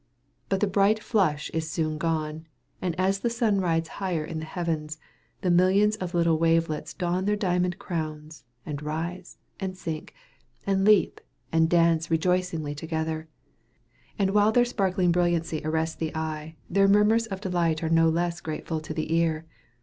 But the bright flush is soon gone, and as the sun rides higher in the heavens, the millions of little wavelets don their diamond crowns, and rise, and sink, and leap, and dance rejoicingly together; and while their sparkling brilliancy arrests the eye, their murmurs of delight are no less grateful to the ear.